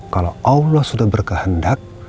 kalau allah sudah berkehendak